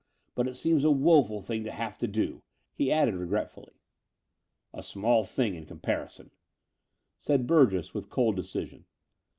But it seems a woeful thing to have to do," he added regretfully. "A small thing in comparison," said Burgess with cold decision.